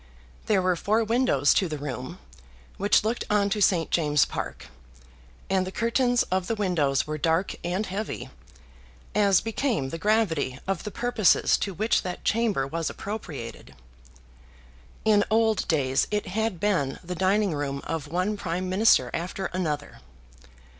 There were four windows to the room, which looked on to St. James's Park, and the curtains of the windows were dark and heavy, as became the gravity of the purposes to which that chamber was appropriated. In old days it had been the dining room of one Prime Minister after another.